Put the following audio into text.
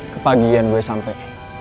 kepagihan gue sampai